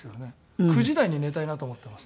９時台に寝たいなと思ってます。